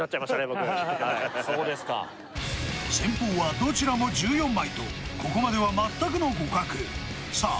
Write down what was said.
僕そうですか先鋒はどちらも１４枚とここまでは全くの互角さあ